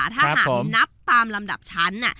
ถ้าหากนับตามลำดับชั้น